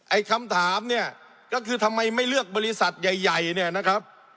ไอ้คำถามเนี่ยก็คือทำไมไม่เลือกบริษัทใหญ่ใหญ่เนี่ยนะครับ